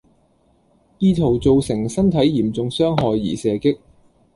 意圖造成身體嚴重傷害而射擊